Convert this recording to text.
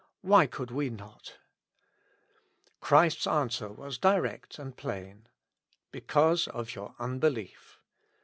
"Why could we not ?" Christ's answer was direct and plain :" Because of your unbelief."